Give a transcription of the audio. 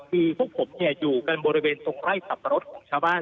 คือพวกผมอยู่กันบริเวณตรงใกล้สับปะรดของชาวบ้าน